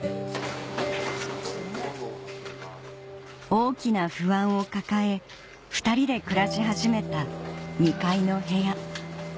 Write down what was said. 大きな不安を抱え２人で暮らし始めた２階の部屋